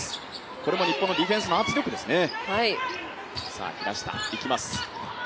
これも日本のディフェンスの圧力ですね。